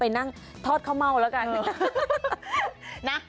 นั่งทอดข้าวเม่าแล้วกันนะ